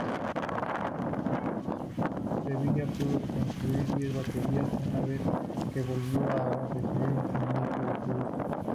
Sevilla pudo producir diez baterías una vez que volvió a recibir suministros de Trubia.